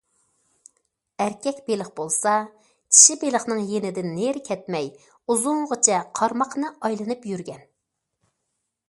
ئەركەك بېلىق بولسا، چىشى بېلىقنىڭ يېنىدىن نېرى كەتمەي، ئۇزۇنغىچە قارماقنى ئايلىنىپ يۈرگەن.